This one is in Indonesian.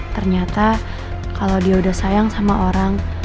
ternyata kalau dia udah sayang sama orang